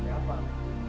banyak apa mak